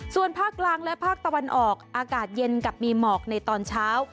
ส่วนภาคกลางและภาคตะวันออกอากาศเย็นกับมีหมอกในตอนเช้า